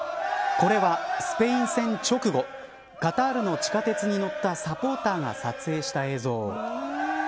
これは、スペイン戦直後カタールの地下鉄に乗ったサポーターが撮影した映像。